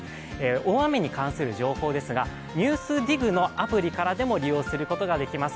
大雨に関する情報ですが「ＮＥＷＳＤＩＧ」のアプリからも利用することができます。